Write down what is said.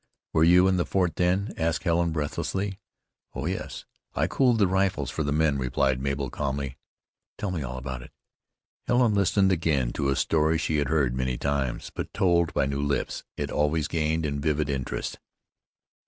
"Were you in the fort then?" asked Helen breathlessly. "Oh, yes, I cooled the rifles for the men," replied Mabel calmly. "Tell me all about it." Helen listened again to a story she had heard many times; but told by new lips it always gained in vivid interest.